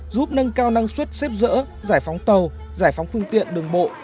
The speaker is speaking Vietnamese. giúp nâng cao năng suất xếp rỡ giải phóng tàu giải phóng phương tiện đường bộ